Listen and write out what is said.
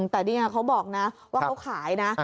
แต่นี่เขาบอกนะว่าเขาขายนะ